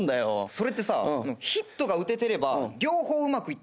それってさヒットが打ててれば両方うまくいったって事でしょ？